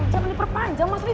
jangan diperpanjang mas rief